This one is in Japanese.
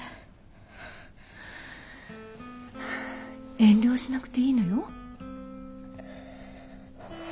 遠慮しなくていいのよ。